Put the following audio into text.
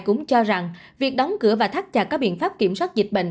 cũng cho rằng việc đóng cửa và thắt chặt các biện pháp kiểm soát dịch bệnh